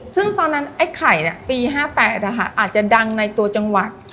ซึ่งตอนนั้นไอ้ไข่ปี๕๘อาจจะดังในตัวจังหวัด